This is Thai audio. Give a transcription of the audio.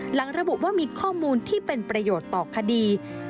ระบุว่ามีข้อมูลที่เป็นประโยชน์ต่อคดี